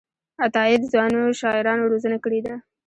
عطاييد ځوانو شاعرانو روزنه کړې ده.